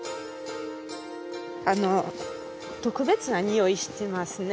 あの特別なにおいしてますね？